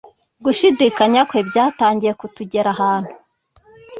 Gushidikanya kwe byatangiye ku tugera ahantu